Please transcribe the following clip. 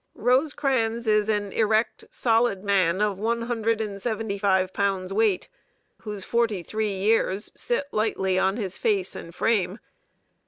Rosecrans is an erect, solid man of one hundred and seventy five pounds weight, whose forty three years sit lightly on his face and frame.